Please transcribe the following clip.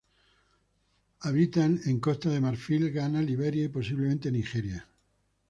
Habita en Costa de Marfil, Ghana, Liberia y posiblemente Nigeria.